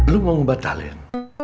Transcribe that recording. lu mau ngebatalin